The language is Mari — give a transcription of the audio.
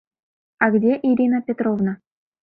А где Ирина Петровна?